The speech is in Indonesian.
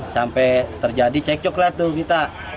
sampai terjadi cek coklat tuh kita